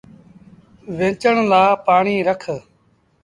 ويچڻ لآ پآڻيٚ رک۔